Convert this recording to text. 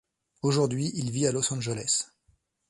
Aujourd'hui, il vit à Los Angeles.